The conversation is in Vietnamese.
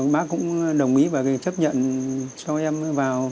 bác cũng đồng ý và chấp nhận cho em vào